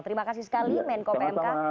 terima kasih sekali menko pmk